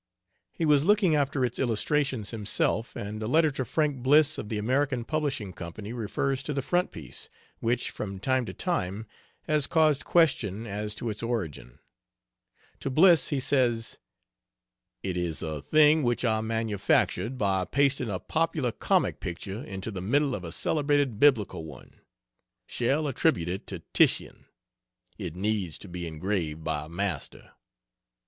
He was looking after its illustrations himself, and a letter to Frank Bliss, of The American Publishing Company, refers to the frontpiece, which, from time to time, has caused question as to its origin. To Bliss he says: "It is a thing which I manufactured by pasting a popular comic picture into the middle of a celebrated Biblical one shall attribute it to Titian. It needs to be engraved by a master."